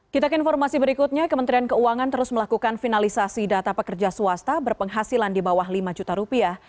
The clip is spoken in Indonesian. kita ke informasi berikutnya kementerian keuangan terus melakukan finalisasi data pekerja swasta berpenghasilan di bawah lima juta rupiah